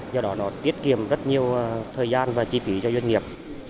do đó nó tiết kiệm rất nhiều thời gian và chi phí cho doanh nghiệp